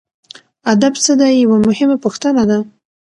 ادب څه دی یوه مهمه پوښتنه ده.